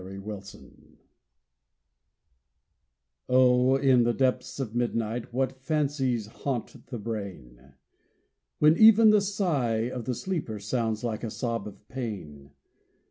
IN THE DARK O In the depths of midnight What fancies haunt the brain! When even the sigh of the sleeper Sounds like a sob of pain.